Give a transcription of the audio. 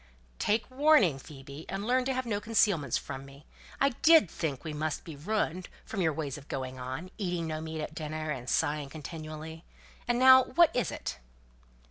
"Take warning, Phoebe, and learn to have no concealments from me. I did think we must be ruined, from your ways of going on: eating no meat at dinner, and sighing continually. And now what is it?"